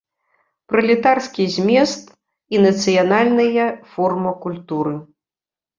Пралетарскі змест і нацыянальная форма культуры!